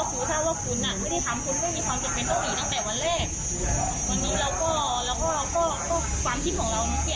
กังวลกลัวแบบว่าเขาจะโดนแบบว่าขอประกันตัวแล้วก็ปล่อย